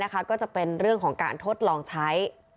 ก็จะเป็นเรื่องของการทดลองใช้